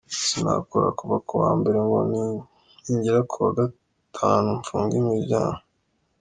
Sinakora kuva ku wa mbere ngo ningera ku wa gatanu mfunge imiryango.